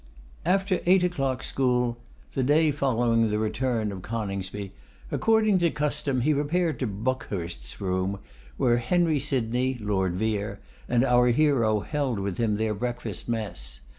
After eight o'clock school, the day following the return of Coningsby, according to custom, he repaired to Buckhurst's room, where Henry Sydney, Lord Vere, and our hero held with him their breakfast mess.